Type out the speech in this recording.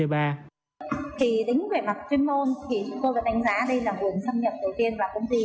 thì đính về mặt chuyên môn thì tôi có đánh giá đây là nguồn xâm nhập đầu tiên vào công ty